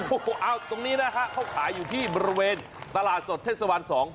โอ้โฮตรงนี้เขาขายอยู่ที่บริเวณตลาดสดเทศวรรษ๒